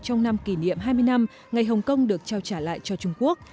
trong năm kỷ niệm hai mươi năm ngày hồng kông được trao trả lại cho trung quốc